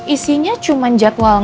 ini keters secara harus pascal